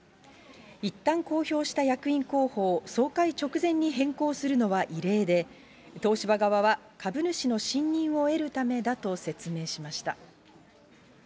いったん公表した役員候補を総会直前に変更するのは異例で、東芝側は株主の信認を得るためだと説明しました。